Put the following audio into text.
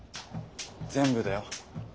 全部だよ。